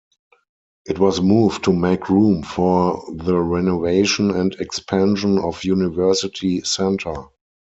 It was moved to make room for the renovation and expansion of University Center.